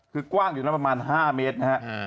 คือกว้างอยู่แล้วประมาณ๕เมตรนะฮะ